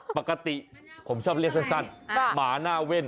ปกติผมชอบเรียกสั้นหมาหน้าเว่น